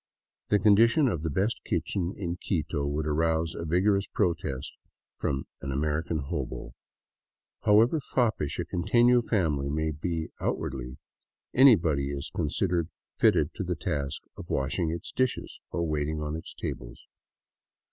The condition of the best kitchen in Quito would arouse a vigorous protest from an American " hobo.'* However foppish a quitefio family may be out wardly, anybody is considered fitted to the task of washing its dishes or waiting on its tables.